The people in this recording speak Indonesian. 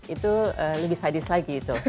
itu lebih sadis lagi itu